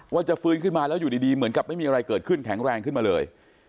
ว่าจะฟื้นขึ้นมาแล้วอยู่ดีเหมือนกับไม่มีอะไรเกิดขึ้นแข็งแรงขึ้นมาเลย